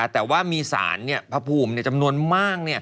แต่ว่ามีสารพระภูมิจำนวนมาก